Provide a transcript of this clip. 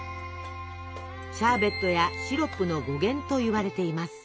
「シャーベット」や「シロップ」の語源といわれています。